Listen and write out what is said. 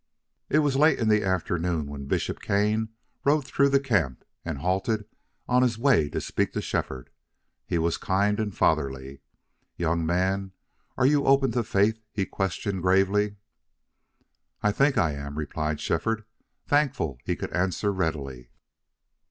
It was late in the afternoon when Bishop Kane rode through the camp and halted on his way to speak to Shefford. He was kind and fatherly. "Young man, are you open to faith?" he questioned gravely. "I think I am," replied Shefford, thankful he could answer readily.